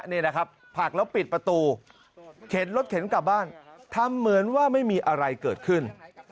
นี่นะครับผักแล้วปิดประตูเข็นรถเข็นกลับบ้านทำเหมือนว่าไม่มีอะไรเกิดขึ้น